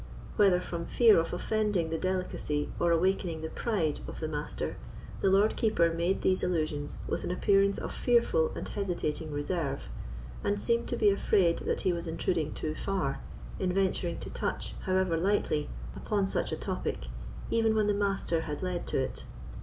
Whether from fear of offending the delicacy or awakening the pride of the Master, the Lord Keeper made these allusions with an appearance of fearful and hesitating reserve, and seemed to be afraid that he was intruding too far, in venturing to touch, however lightly, upon such a topic, even when the Master had led to it.